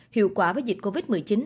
đối với dịch covid một mươi chín